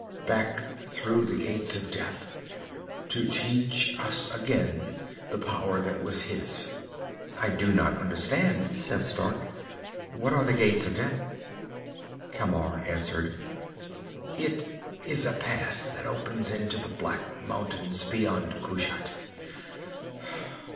Back through the Gates of Death, to teach us again the power that was his!" "I do not understand," said Stark. "What are the Gates of Death?" Camar answered, "It is a pass that opens into the black mountains beyond Kushat.